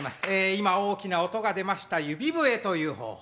今大きな音が出ました指笛という方法。